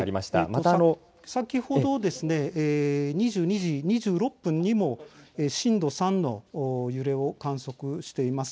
また、先ほどですね２２時２６分にも震度３の揺れを観測しています。